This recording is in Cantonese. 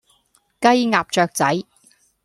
雞鴨雀仔